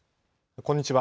こんにちは。